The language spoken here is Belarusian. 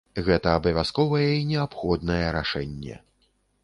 Гэта абавязковае і неабходнае рашэнне.